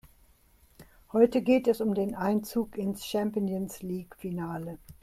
Heute geht es um den Einzug ins Champions-League-Finale.